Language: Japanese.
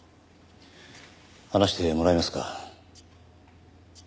話してもらえますか？